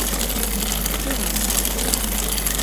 今日は暑い。